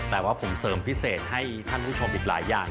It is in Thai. แต่ว่าผมเสริมพิเศษให้ท่านผู้ชมอีกหลายอย่าง